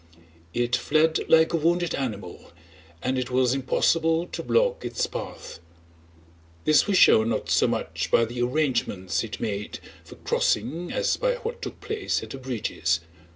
It fled like a wounded animal and it was impossible to block its path. This was shown not so much by the arrangements it made for crossing as by what took place at the bridges.